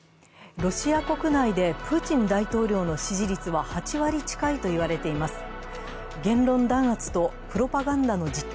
ロシア国内でプーチン大統領の支持率は８割近いといわれています。